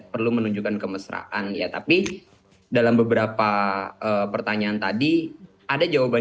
hitungan weton atau apa gitu